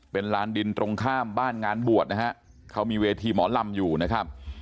เป็นลานดินตรงข้ามบ้านงานบวชนะฮะเขามีเวทีหมอลำอยู่นะครับ